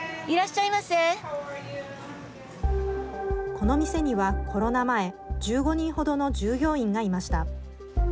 この店には、コロナ前１５人ほどの従業員がいました。